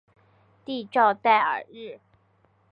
蒂绍代尔日。